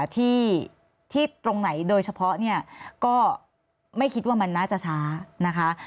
ที่ตรงไหนโดยเฉพาะเนี่ยก็ไม่คิดว่ามันน่าจะช้านะคะ